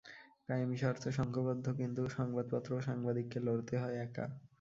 কায়েমি স্বার্থ সংঘবদ্ধ, কিন্তু সংবাদপত্র ও সাংবাদিককে লড়তে হয় একা।